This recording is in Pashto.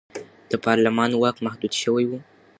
د پارلمان واک محدود شوی و.